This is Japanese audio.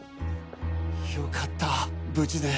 よかった無事で。